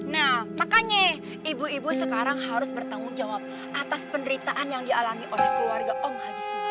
nah makanya ibu ibu sekarang harus bertanggung jawab atas penderitaan yang dialami oleh keluarga om hajs